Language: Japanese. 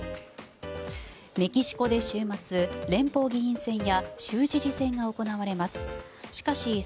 メキシコで週末連邦議員選や州知事選が行われます。